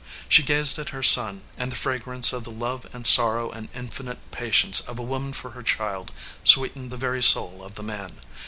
She gazed at her son, and the fragrance of the love and sorrow and infinite patience of a woman for her child sweetened the very soul of the man.